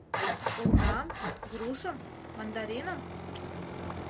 Олмам, грушым, мандариным?